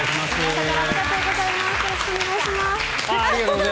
ありがとうございます。